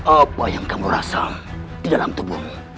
apa yang kamu rasa di dalam tubuhmu